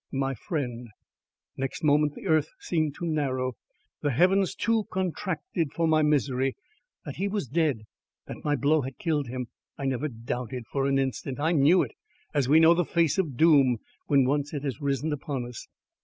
My friend! Next moment the earth seemed too narrow, the heavens too contracted for my misery. That he was dead that my blow had killed him, I never doubted for an instant. I knew it, as we know the face of Doom when once it has risen upon us.